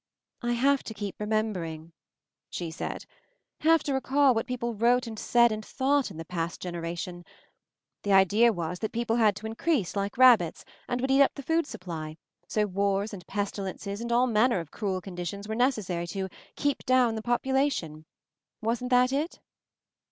I have to keep remembering," she said. Have to recall what people wrote and said and thought in the past generation. The idea was that people had to increase like rabbits, and would eat up the food supply, so wars and pestilences and all manner of cruel conditions were necessary to 'keep down the population/ Wasn't that it?"